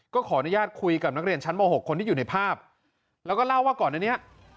ก็ขออนุญาตคุยกับนักเรียนชั้นม๖คนที่อยู่ในภาพแล้วก็เล่าว่าก่อนอันนี้